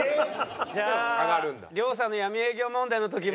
じゃあ亮さんの闇営業問題の時も。